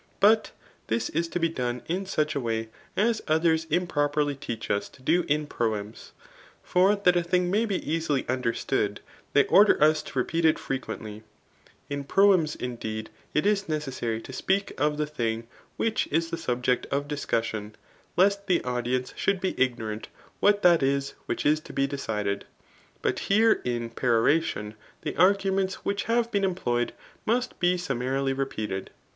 But this is to be done in such a way, as others impro perly teach us to do m proems ; for that a thing may be easily understood, ^hey order us to repeat it £r^d^tly. CHAP. XIX. RHBTORIC. 281 In proems^ mdeed, it is necessary to speak of the thmg [^ch is the sul]ject of discussion,] lest the audience should be ignorant what that is which is to be decided ; bat here [in peroration J the arguments which have been employed^ must be summarily repeated.